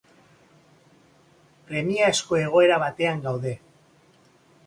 Premiazko egoera batean gaude.